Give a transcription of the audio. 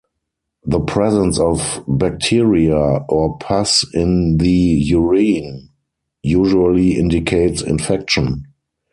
The presence of bacteria or pus in the urine usually indicates infection.